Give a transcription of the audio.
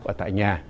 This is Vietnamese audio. ở tại nhà